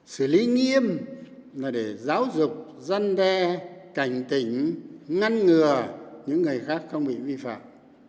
xử lý nghiêm là để giáo dục dân đe cảnh tỉnh ngăn ngừa những người khác không bị vi phạm